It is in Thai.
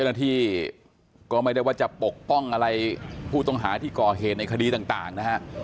เจ้าหน้าที่ก็ไม่ได้ว่าจะปกป้องอะไรผู้ต้องหาที่ก่อเหตุในคดีต่างนะฮะ